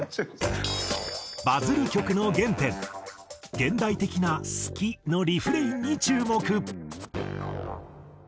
バズる曲の原点現代的な「好き」のリフレインに注目。